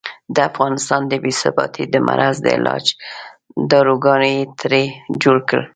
د افغانستان د بې ثباتۍ د مرض د علاج داروګان یې ترې جوړ کړل.